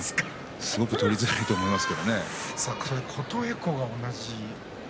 すごく取りづらいと思います。